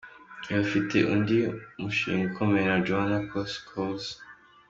Uyu afitanye undi mushinga ukomeye na Joana Kos-Krauze.